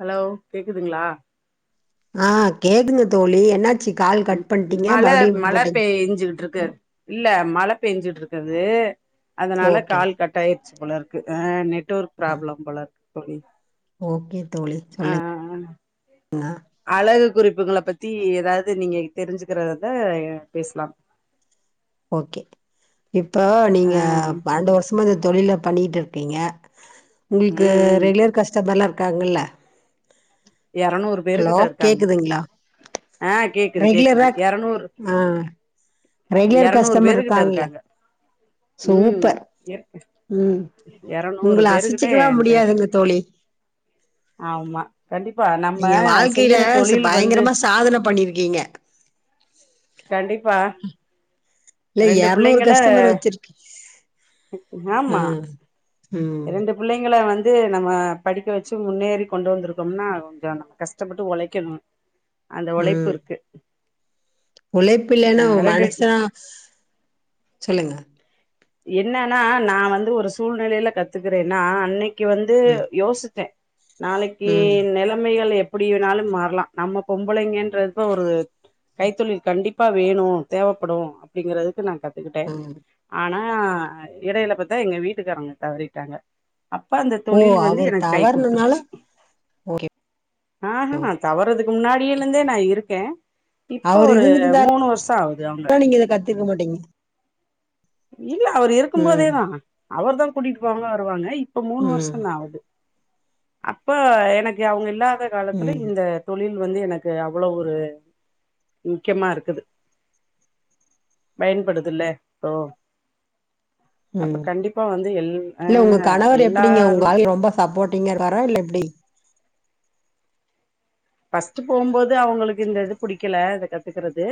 Hello கேக்குதுங்ளா? ஆ கேக்துங்க தோழி என்ன மழ மழ பேஞ்சுகிட்ருக்கு இல்ல மழ பேஞ்சுட்ருக்கது அதுனால ஓகே கால் கட்டாயிர்ச்சு போலருக்கு ஆ நெட் வொர்க் ஆ ப்ராப்ளம் போலருக்கு தோழி ஓகே தோழி ஆ சொல்லுங்க அழகு குறிப்புங்கள பத்தி எதாது நீங்க தெரிஞ்சுக்கிறத பேசலா ஓகே இப்ப ஆ நீங்க ம் பன்னெண்டு வருஷமா இந்த தொழில பண்ணிட்டிரு பீங்க உங்களுக்கு ம் ரெகுலர் கஸ்டமர்லா இருக்காங்கல்ல எரநூறு பேரு ஹலோ கிட்ட இருக்காங்க கேக்குதுங்களா ஆ கேக்குது கேக்குது ரெகுலரா எரநூறு ஆ ரெகுலர் எரநூறு கஸ்டமர் பேருகிட்ட இருக்காங்கல்ல இருக்காங்க உம் சூப்பர் எறக்கு ம் எரநூறு உங்கள பேருக்கிட்ட அசச்சிக்கவே ஏன்ட்ட இருக்கு முடியாதுங்க தோழி ஆமா கண்டிப்பா நம்ம நீங்க வாழ்க்கையில செய்யிற ச தொழில் வந்து பயங்கரமா சாதன பண்ணிருக்கீங்க கண்டிப்பா இல்ல ரெண்டு எரநூறு புள்ளைங்கள கஸ்டமர் வச்சிருக்கீ ஆ ஆமா ம் ரெண்டு புள்ளைங்கள வந்து நம்ம படிக்க வச்சி முன்னேறி கொண்டு வந்துருக் கொம்னா கொஞ்சொ கஷ்டப்பட்டு ஒழைக்கனு ம் உழைப்பில்லனா அ ஒ ரெண்டு மனுசனா சொல்லுங்க என்னனா நா வந்து ஒரு சூழ்நெலைல கத்துகிறேன்னா அன்னை க்கி வந்து ம் யோசுச்சே நாளக்கி ம் நெலமைகள் எப் பிடி வேணாலு மாற்லா நம்ம பொம்பளைங்கன்றப்பொ ஒரு கைத்தொழில் கண்டிப்பா வேணு தேவப்படு அப்டிங்கிறதுக்கு நா கத்துக்கிட்டே ம் ஆனா இடைல பாத்தா எங்க வீட்டுக்காரவுங்க தவறிட்டாங்க அப்ப அந்த ஓ தொழில் வந்து அவரு எனக் கை தவறுனனால குடுத்துருச்சு ஓகே ஆஹா தவறதுக்கு முன்னாடியிலிந்தே நா இருக்கே இப்போ அவரு ஒரு மூணு வர்ஷோ ஆவுது அவுங்க திருமாட்டீங் இல்ல அவர் இருக்கும் ம் போதேதா அவர் தா கூட்டிட்டு போவாங்க வருவாங்க இ இப்ப மூணு ம் வருஷொந்தா ஆவுது அப்ப எனக்கு அவுங்க இல்லாத காலத்துல ம் இந்த தொழில் வந்து எனக்கு அவ்ளொ ஒரு முக்கியமா இருக்குது பயன்படுதுல்ல இப்போ அப்ப ம் கண்டிப்பா வந்து எல் ஆ எல்லாரு சப்போட்டிங்கா இருப்பாரா இல்ல எப்டி? ஃபஸ்ட்டு‌ போம்போது அவுங்களுக்கு இந்த இது புடிக்கல இத கத்துக்குறது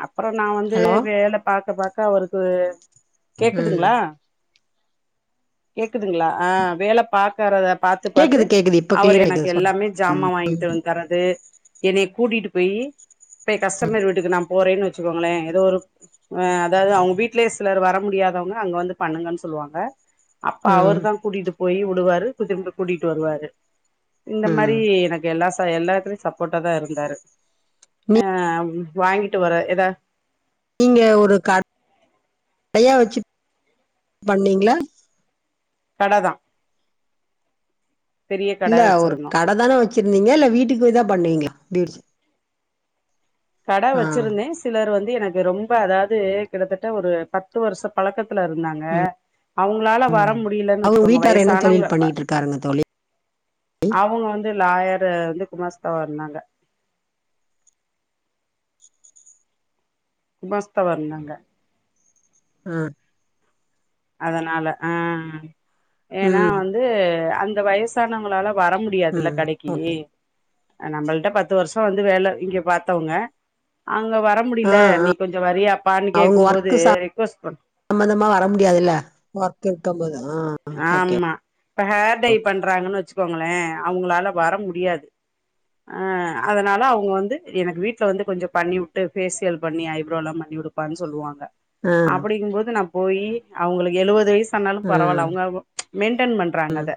அ ப்புறொ நா வந்து ஹலோ வேல பாக்க பாக்க அவருக்கு ம் கேக்குதுங்ளா? கேக்குதுங்ளா ஆ வேல பாக்கறத பாத்து பாத்து கேக்குது கேக்குது இப்ப அவர் கிளியரா எனக்கு கேக்குது சொல்லுங்க எல்லாமே ஜாமா வாங்கிட்டுவந் தரது என்னய கூட்டிட்டு போயி போய் கஸ்டமர் வீட்டுக்கு நா போறேன்னு வச்சுக்கோங்களே எதோ ஒரு ஆ அதாவுது அவுங் வீட்லயே சிலர் வர முடியாதவுங்க அங்க வந்து பண்ணுங்கன் சொல்வாங்க அப்ப ம் அவர் தா கூட்டிட்டு போயி உடுவாரு கு திரும்ப கூட்டிட்டு வருவாரு இந்த ம் மாரி எனக்கு எல்லா டா எல்லாத்துலய் சப்போட்டாதா இருந்தாரு நீ ஆ ம் வாங்கிட்டு வர எதா நீங்க ஒரு கடையா வச்சி பண்ணிங்ளா? கடதா கட இல்ல ஒரு வச்சிருந்தோ கடதான வச்சிருந்தீங்க இல்ல வீட்டுக்கு போய் தா பண்ணிங்ளா பியூட்டிச கட வச்சிருந்தே சிலர் வந்து எனக்கு ரொம்ப அதாவுது கிட்டத்தட்ட ஒரு பத்து வருஷோ பழக்கத்துலருந்தாங்க ம் அவுங்ளால வர ம் முடியலன் அவங்க வச்சுக்கோங்க வீட்டாரு என்ன வயசானவுங்க தொழில் அப்ப பண்ணிட்டு இருக்காருங்க தோழி அவுங்க வந்து லாயாருந்து குமஸ்தாவா இருந்தாங்க குமாஸ்தாவா இருந்தாங்க ஆ அதனால ஆ ஏனா ம் வந்து அந்த வயசானவுங்களால வர மு முடியாதில்ல ம் கடைக்கி ஓகே அ நம்மள்ட்ட பத்து வருஷோ வந்து வேல இங்க பாத்தவுங்க அங்க வர ஆ முடியில ஆ நீ கொஞ்சோ வரியாப்பான் கேக்கு போது ரெக்வஸ்ட் பண் சம்மந்தமா வர முடியாதில்ல வொர்க் இருக்கம் போது ஆ ஓகே ஆமா இப்ப ஹேர் டை பண்றாங்கன் வச்சுக்கோங்களே அவுங்களால வர முடியாது ஆ அதனால அவுங்க வந்து எனக்கு வீட்ல வந்து கொஞ்சோ பண்ணி வுட்டு ஃபேசியல் பண்ணி ஐப்ரோ லா பண்ணி வுடு பான் சொல்லுவாங்க ஆ அப்படிருக்கு போது நா போய் அவுங்களுக்கு எழுவது வயஸ் ஆனாலு பர ஆ பரவால அவுங்க மெயின்டென் பண்றாங்க அத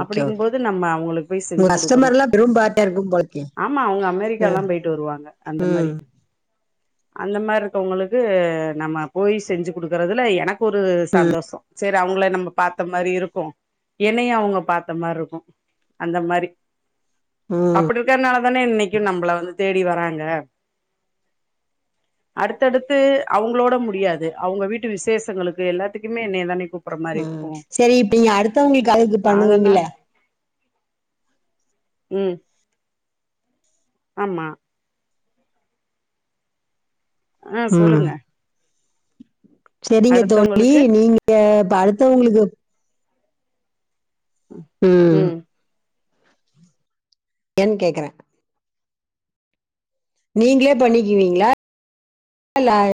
ஓகே அப்படிங்கு ஓகே போது நம்ம அவுங்களுக்கு போய் உங்க செஞ்சி குடுக்கனு கஸ்டமர்லா பெரும் பாட்டா இருக்கும் போலக்கே ஆமா அவுங்க அமெரிக்கா எல்லா ம் போய்ட் டு வருவாங்க அந்த மாரி ம் அந்த மாரி இருக்கவங்களுக்கு நம்ம போய் செஞ்சி குடுக்கறதுல எனக்கு ஒரு சந்தோஷோ செரி அவுங்கள நம்ப பாத்த மாரி இருக்கு என்னையு அவுங்க பாத்த மாரி இருக்கு அந்த மாரி ம் அப்டி இருக்கனால தானே இன்னைக்கு நம்பள வந்து தேடி வராங்க அடுத்தடுத்து அவுங்களோட முடியாது அவுங்க வீட்டு விசேஷங்களுக்கு எல்லாத்துக்குமே என்னய தானே கூப்பற மாரி ம் இருக்கு செரி இப்ப நீங்க அடுத்தவங்களுக்கு அழகு பண்ணுவீங்கில்ல அதனால ம் ஆமா ஆ சொல்லுங்க செரிங்க தோழி அடுத்தவங்களுக்கு நீங்க இப்ப அடுத்தவங்களுக்கு ம் ஏன் கேக்கற நீங்ளே பண்ணிக்குவீங்ளா இல்ல